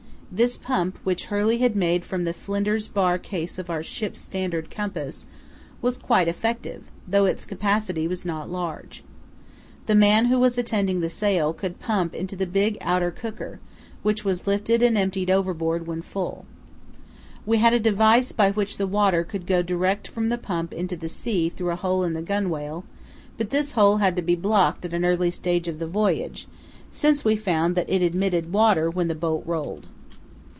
This pump, which Hurley had made from the Flinder's bar case of our ship's standard compass, was quite effective, though its capacity was not large. The man who was attending the sail could pump into the big outer cooker, which was lifted and emptied overboard when filled. We had a device by which the water could go direct from the pump into the sea through a hole in the gunwale, but this hole had to be blocked at an early stage of the voyage, since we found that it admitted water when the boat rolled.